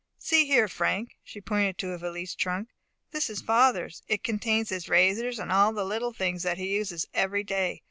See here, Frank." She pointed to a valise trunk. "This is father's, it contains his razors, and all the little things that he uses every day.